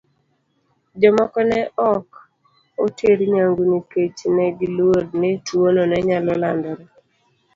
Jomoko ne ok oter nyangu nikech ne giluor ni tuwono ne nyalo landore.